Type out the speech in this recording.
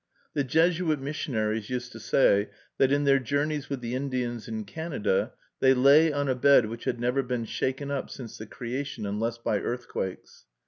The Jesuit missionaries used to say, that, in their journeys with the Indians in Canada, they lay on a bed which had never been shaken up since the creation, unless by earthquakes.